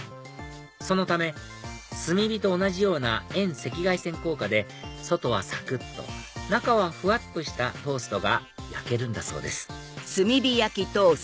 そのため炭火と同じような遠赤外線効果で外はサクっと中はふわっとしたトーストが焼けるんだそうです